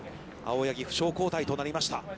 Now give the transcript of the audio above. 青柳、負傷交代となりました。